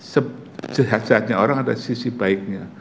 sejahatnya orang ada sisi baiknya